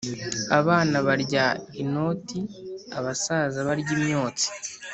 Abana barya inoti abasaza barya imyotsi